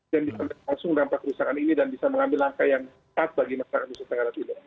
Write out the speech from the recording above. dan bisa langsung rampas perusahaan ini dan bisa mengambil langkah yang pas bagi masyarakat di setengah setengah dunia